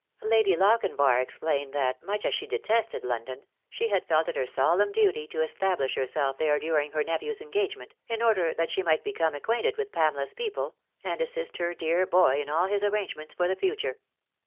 Lady Lochinvar explained that, much as she detested London, she had felt it her solemn duty to establish herself there during her nephew's engagement, in order that she might become acquainted with Pamela's people, and assist her dear boy in all his arrangements for the future.